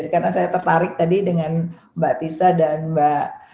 karena saya tertarik tadi dengan mbak tissa dan mbak